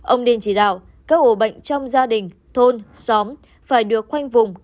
ông điên chỉ đạo các ổ bệnh trong gia đình thôn xóm phải được khoanh vùng